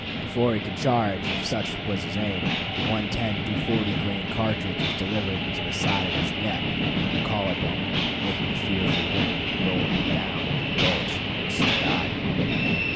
Before he could charge, if such was his aim, the 110 340 grain cartridge was delivered into the side of the neck within the collar bone, making a fearful wound, and rolling him down into the gulch, where he soon died.